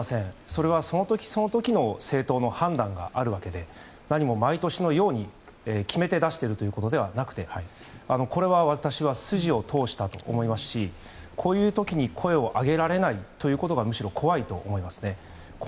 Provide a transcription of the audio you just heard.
それはその時、その時の政党の判断があるわけで何も毎年のように決めて出していることではなくてこれは、私は筋を通したと思いますしこういう時に声を上げられないということがむしろ怖いと思いますね。